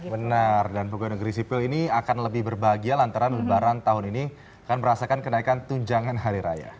benar dan pegawai negeri sipil ini akan lebih berbahagia lantaran lebaran tahun ini akan merasakan kenaikan tunjangan hari raya